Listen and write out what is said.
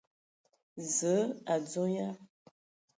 Zǝə, o adzo ya ?